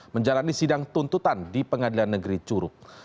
menjalani sidang tuntutan di pengadilan negeri curug